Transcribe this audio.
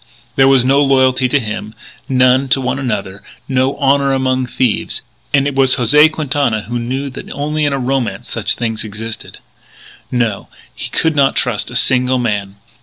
There was no loyalty to him, none to one another, no "honour among thieves" and it was José Quintana who knew that only in romance such a thing existed. No, he could not trust a single man.